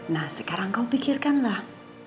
nah sekarang kau pikirkanlah